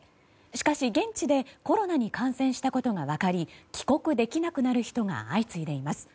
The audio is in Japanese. しかし、現地でコロナに感染したことが分かり帰国できなくなる人が相次いでいます。